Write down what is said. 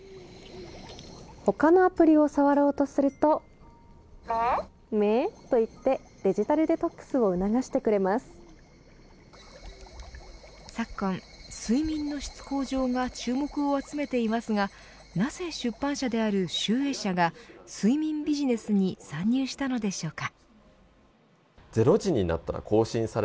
他のアプリを触ろうとするとメーといってデジタルデトックスを昨今、睡眠の質向上が注目を集めていますがなぜ出版社である集英社が睡眠ビジネスに参入したのでしょうか。